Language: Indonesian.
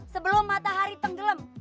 sebelum matahari tenggelam